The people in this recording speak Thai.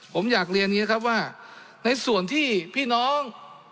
ผมอยากเรียนอย่างนี้ครับว่าในส่วนที่พี่น้อง